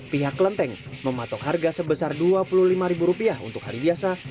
pihak kelenteng mematok harga sebesar rp dua puluh lima untuk hari biasa